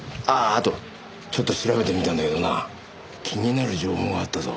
あとちょっと調べてみたんだけどな気になる情報があったぞ。